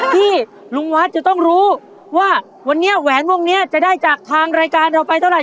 ที่ลุงวัดจะต้องรู้ว่าวันนี้แหวนวงนี้จะได้จากทางรายการเราไปเท่าไห